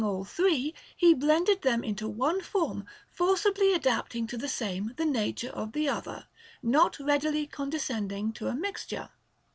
2Ί all three, he blended them into one form, forcibly adapting to the Same the nature of the Other, not readily conde scending to a mixture.